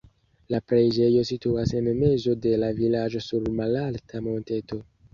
La preĝejo situas en mezo de la vilaĝo sur malalta monteto.